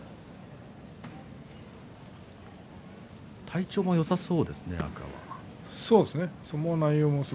体調もよさそうですね